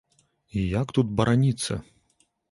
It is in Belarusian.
І як тут бараніцца?